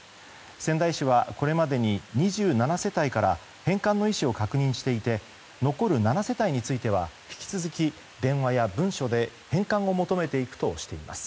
仙台市はこれまでに２７世帯から返還の意思を確認していて残る７世帯については引き続き電話や文書で返還を求めていくとしています。